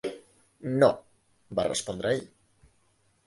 "No", va respondre ell.